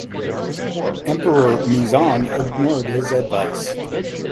Emperor Muzong ignored his advice.